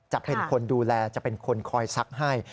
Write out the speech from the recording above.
จะเป็นคนดูแลจะเป็นคนคอยซักให้